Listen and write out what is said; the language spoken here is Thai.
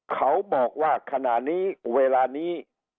เขาบอกว่าขณะนี้เวลานี้